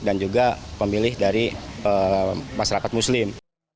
dan juga pemilih dari masyarakat muslim